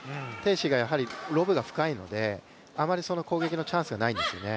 思緯がロブが深いので、あまり攻撃のチャンスがないんですよね。